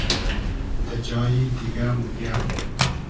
دہ جایی دیگۂ موگیۂ